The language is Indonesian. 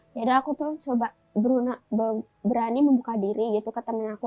jadi aku tuh coba berani membuka diri gitu ke temen aku